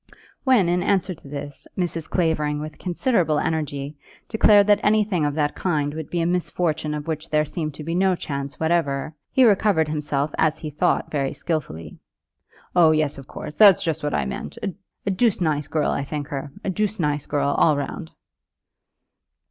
When, in answer to this, Mrs. Clavering with considerable energy declared that anything of that kind would be a misfortune of which there seemed to be no chance whatever, he recovered himself as he thought very skilfully. "Oh, yes; of course; that's just what I meant; a doosed nice girl I think her; a doosed nice girl, all round."